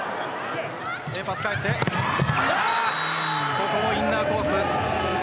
ここもインナーコース